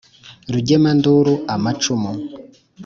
Rugemanduru amacumu,